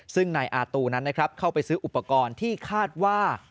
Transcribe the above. ซึ่งนายอาตูนั้นนะครับเข้าไปซื้ออุปกรณ์ที่คาดว่า